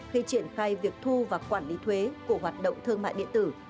khi triển khai việc thu và quản lý thuế của hoạt động thương mại điện tử